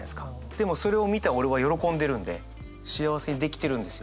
でもそれを見た俺は喜んでるんで幸せにできてるんですよ。